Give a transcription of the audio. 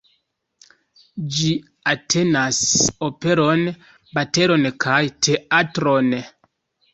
Ĝi entenas operon, baleton kaj teatron.